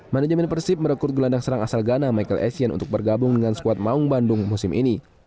manajemen persib merekrut gelandang serang asal ghana michael essien untuk bergabung dengan skuad maung bandung musim ini